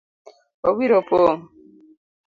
Obiro pong’